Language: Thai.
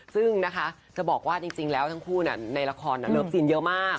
ซึ่งนะคะจะบอกว่าจริงแล้วทั้งคู่ในละครเลิฟซีนเยอะมาก